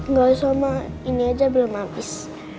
nggak sama ini aja belum habis